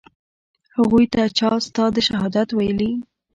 هغوى ته چا ستا د شهادت ويلي.